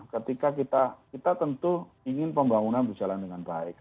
ketika kita tentu ingin pembangunan berjalan dengan baik